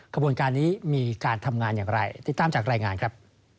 ขบวนการนี้มีการทำงานอย่างไรติดตามจากรายงานครับ